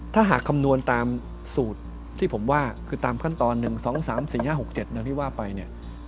ถ้าหากคำนวณตามสูตรที่ผมว่าคือตามขั้นตอน๑๒๓๔๕๖๗ที่ว่าไปเนี่ย